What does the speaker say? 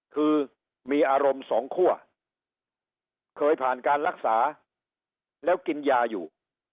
คือมีอารมณ์สองคั่วเคยผ่านการรักษาแล้วกินยาอยู่